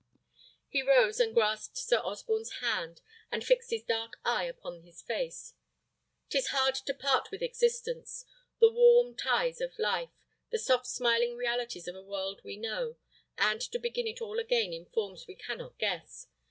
He rose and grasped Sir Osborne's hand, and fixed his dark eye upon his face. "'Tis hard to part with existence the warm ties of life, the soft smiling realities of a world we know and to begin it all again in forms we cannot guess.